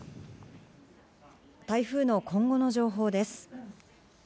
台風の今後の情報です。